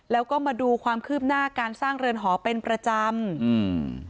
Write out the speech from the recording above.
แล้วก็มาดูความคืบหน้าการสร้างเรือนหอเป็นประจำอืม